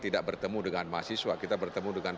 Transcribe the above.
tidak bertemu dengan mahasiswa kita bertemu dengan